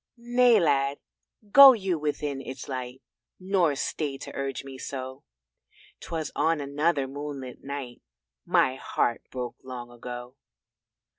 "Nay, Lad, go you within its light, Nor stay to urge me so 'Twas on another moonlit night My heart broke long ago."